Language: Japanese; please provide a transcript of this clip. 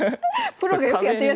プロがよくやってるやつ。